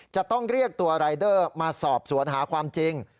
จะต้องเรียกตัวรายเดอร์มาสอบสวนหาความจริง